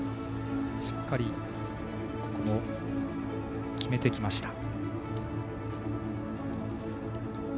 しっかり、ここも決めてきました。